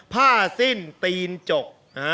ผ้าสิ้นตีนจก